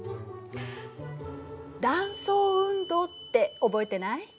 「断層運動」って覚えてない？